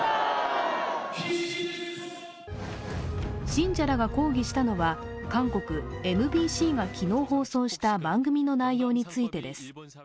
信者らが抗議したのは、韓国ＭＢＣが昨日放送した番組の内容についてです。